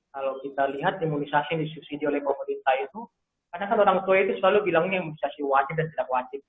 kalau kita lihat imunisasi yang disubsidi oleh pemerintah itu karena kan orang tua itu selalu bilangnya imunisasi wajib dan tidak wajib